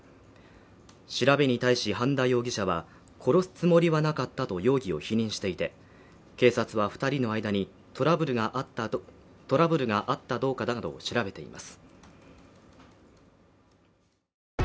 調べに対し半田容疑者は殺すつもりはなかったと容疑を否認していて警察は二人の間にトラブルがあったどうかなどを調べています